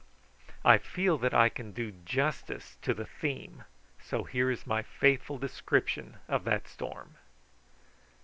I feel that I can do justice to the theme, so here is my faithful description of that storm.